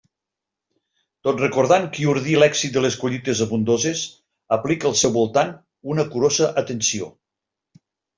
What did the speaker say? Tot recordant qui ordí l'èxit de les collites abundoses, aplica al seu voltant una curosa atenció.